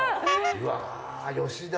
うわっ吉田。